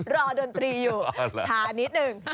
ดนตรีอยู่ชานิดหนึ่ง